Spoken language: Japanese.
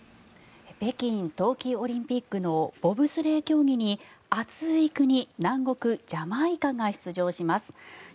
北京冬季オリンピックのボブスレー競技に暑い国、南国ジャマイカが出場します。